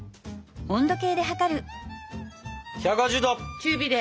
中火で。